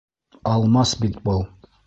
Алмас бит был.